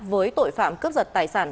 với tội phạm cướp giật tài sản